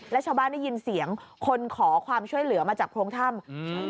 แล้วชาวบ้านได้ยินเสียงคนขอความช่วยเหลือมาจากโพรงถ้ำอืม